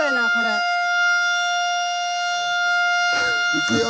いくよ！